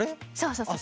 そうそう。